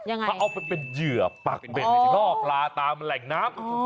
ยังไงเพราะเอาเป็นเหยื่อปักเบ็ดรอบลาตามแหล่งน้ำ